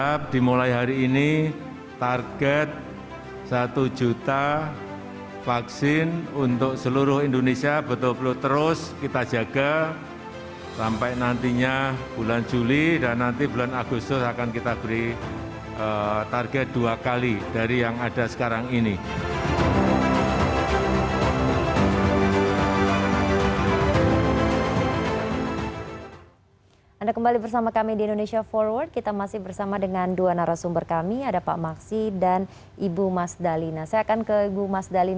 harap dimulai hari ini target satu juta vaksin untuk seluruh indonesia betul betul terus kita jaga sampai nantinya bulan juli dan nanti bulan agustus akan kita beri target dua kali dari yang ada sekarang ini